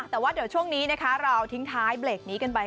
แต่ว่าเดี๋ยวช่วงนี้นะคะเราทิ้งท้ายเบรกนี้กันไป